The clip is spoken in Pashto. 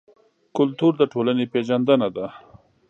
کلتور د ټولنې پېژندنه ده.